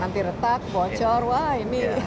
anti retak bocor wah ini